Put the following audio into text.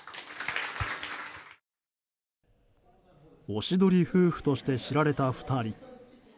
おしどり夫婦として知られた２人。